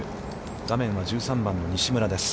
画面は１３番の西村です。